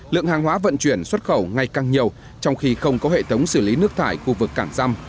lượng hàng hóa vận chuyển xuất khẩu ngày càng nhiều trong khi không có hệ thống xử lý nước thải khu vực cảng răm